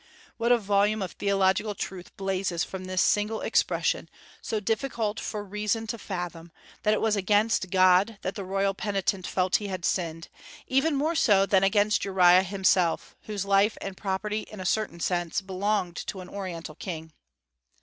What a volume of theological truth blazes from this single expression, so difficult for reason to fathom, that it was against God that the royal penitent felt that he had sinned, even more than against Uriah himself, whose life and property, in a certain sense, belonged to an Oriental king.